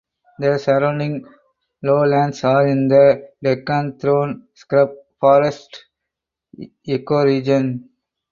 The surrounding lowlands are in the Deccan thorn scrub forests ecoregion.